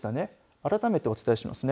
改めてお伝えします。